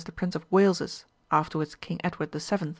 the Prince of Wales's (afterwards King Edward VII.)